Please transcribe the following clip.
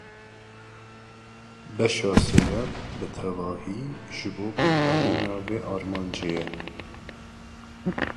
Beşa sêyem bi tevahî ji bo pêkanîna vê armancê ye